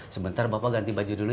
sebentar bapak ganti baju dulu